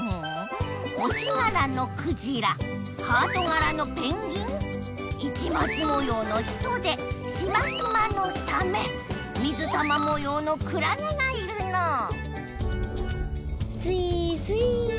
星がらのクジラハートがらのペンギン市まつもようのヒトデシマシマのサメ水玉もようのクラゲがいるのうすいすい。